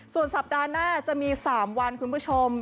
ส่วนสัปดาห์หน้าจะมี๓วันคุณผู้ชม